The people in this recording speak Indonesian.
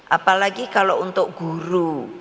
apalagi kalau untuk guru